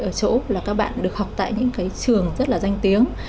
ở chỗ là các bạn được học tại những cái trường rất là danh tiếng